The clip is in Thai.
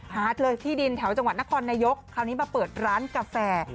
เลยที่ดินแถวจังหวัดนครนายกคราวนี้มาเปิดร้านกาแฟ